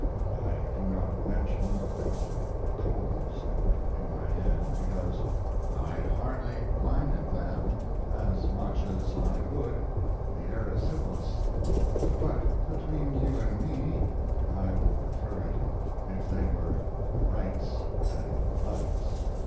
(I do not mention a couple of colds in my head, because I hardly mind them as much as I would the erysipelas, but between you and me I would prefer it if they were rights and lefts.)